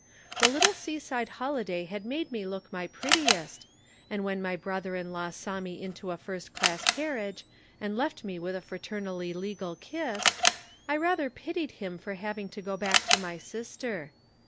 The little seaside holiday had made me look my prettiest, and when my brother in law saw me into a first class carriage and left me with a fraternally legal kiss, I rather pitied him for having to go back to my sister.